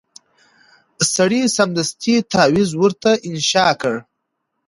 سړي سمدستي تعویذ ورته انشاء کړ